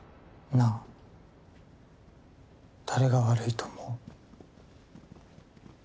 なあ誰が悪いと思う？